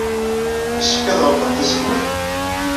Yessefk ad ɣelqent tazewwut?